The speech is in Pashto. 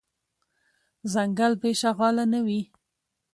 ځنګل بی شغاله نه وي .